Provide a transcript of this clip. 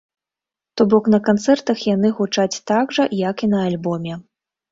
То бок на канцэртах яны гучаць так жа, як і на альбоме.